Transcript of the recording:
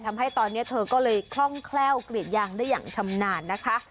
ทำให้ตอนนี้เธอก็เลยคล่องแคล่วกรีดยางได้อย่างชำนาญนะคะ